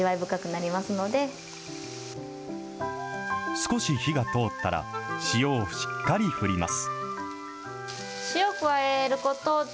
少し火が通ったら、塩をしっかり振ります。